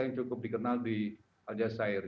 yang cukup dikenal di aljazeera